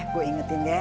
pohon maul anti perintah